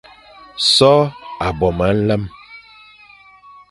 So a bo me nlem,